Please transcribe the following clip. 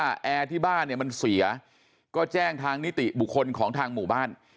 แอร์ที่บ้านเนี่ยมันเสียก็แจ้งทางนิติบุคคลของทางหมู่บ้าน